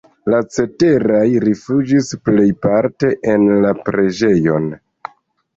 La ceteraj rifuĝis plejparte en la preĝejon.